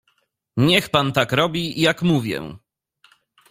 "Niech pan tak robi, jak mówię."